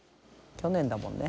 去年だもんね。